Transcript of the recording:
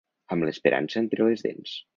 Amb l'esperança entre les dents.